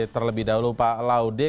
terlebih dahulu pak laudy